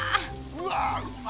うわうまそ。